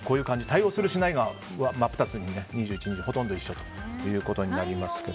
対応する、しないがほとんど一緒ということになりますが。